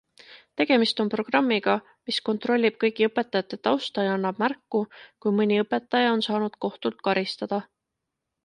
Tegemist on programmiga, mis kontrollib kõigi õpetajate tausta ja annab märku, kui mõni õpetaja on saanud kohtult karistada.